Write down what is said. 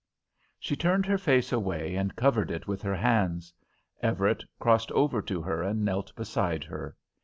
She turned her face away and covered it with her hands. Everett crossed over to her and knelt beside her.